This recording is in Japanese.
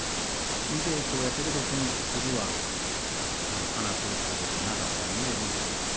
無抵抗やったけど、すぐは離すっちゅうことなかったんで。